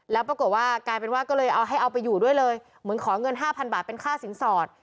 แล้วปรากฏว่ากลายเป็นว่าก็เลยเอาให้เอาไปอยู่ด้วยเลยเหมือนขอเงินห้าพันบาทเป็นค่าสินสอด